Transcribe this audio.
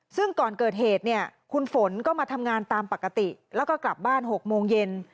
ซึ่งก่อนเกิดเหตุเนี่ยคุณฝนก็มาทำงานตามปกติแล้วก็กลับบ้าน๖โมงเย็น